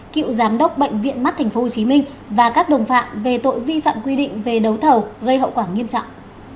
cựu giám đốc bệnh viện mắt tp hcm và các đồng phạm về tội vi phạm quy định về đấu thầu gây hậu quả nghiêm trọng